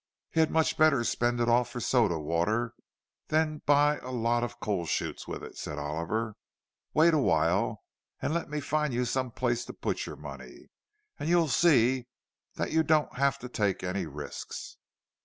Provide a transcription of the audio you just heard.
"He had much better spend it all for soda water than buy a lot of coal chutes with it," said Oliver: "Wait awhile, and let me find you some place to put your money, and you'll see that you don't have to take any risks."